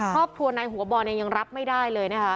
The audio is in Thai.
ครอบครัวนายหัวบอลยังรับไม่ได้เลย